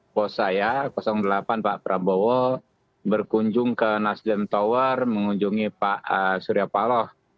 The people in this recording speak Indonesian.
pos saya delapan pak prabowo berkunjung ke nasdem tower mengunjungi pak surya paloh